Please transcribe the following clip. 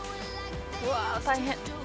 うわ大変！